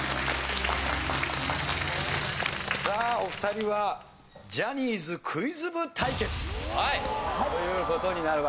さあお二人はジャニーズクイズ部対決という事になるわけでございます。